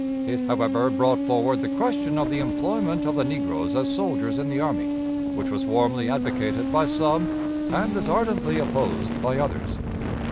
It, however, brought forward the question of the employment of the negroes as soldiers in the army, which was warmly advocated by some and as ardently opposed by others.